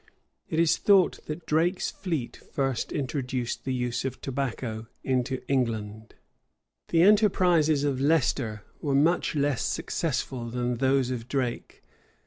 [*] It is thought that Drake's fleet first introduced the use of tobacco into England. * Camden, p. 509. The enterprises of Leicester were much less successful than those of Drake.